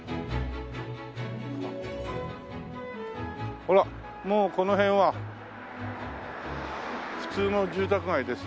ほらもうこの辺は普通の住宅街ですよ。